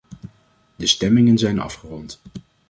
De stemmingen zijn afgerond.